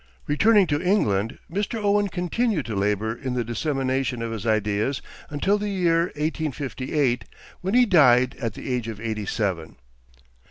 Returning to England, Mr. Owen continued to labor in the dissemination of his ideas until the year 1858, when he died at the age of eighty seven.